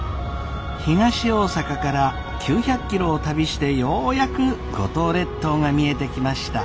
東大阪から９００キロを旅してようやく五島列島が見えてきました。